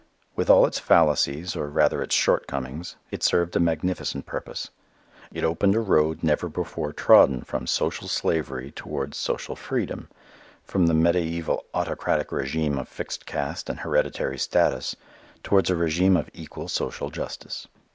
With all its fallacies, or rather its shortcomings, it served a magnificent purpose. It opened a road never before trodden from social slavery towards social freedom, from the mediæval autocratic régime of fixed caste and hereditary status towards a régime of equal social justice.